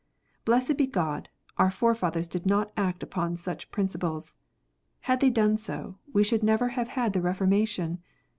Blessed be God, our forefathers did not act upon such principles ! Had they done so, we should never have had the Reformation.